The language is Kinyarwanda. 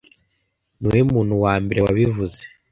Niwowe muntu wa mbere wabivuze.